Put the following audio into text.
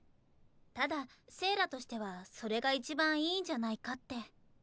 ただ聖良としてはそれが一番いいんじゃないかって。